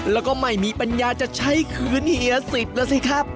แล้วก็ไม่มีปัญญาจะใช้คืนเฮียสิทธิ์นะสิครับ